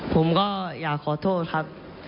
ผมก็อยากขอโทษครับ